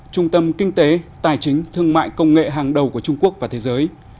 trung tâm kinh tế tài chính thương mại công nghệ hàng đầu của trung quốc và thế giới